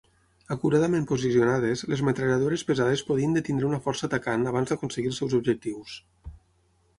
Acuradament posicionades, les metralladores pesades podien detenir una força atacant abans d'aconseguir els seus objectius.